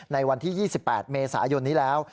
ในวันที่๒๘เมษายนนี้แล้ว